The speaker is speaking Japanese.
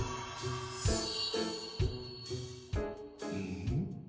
ん？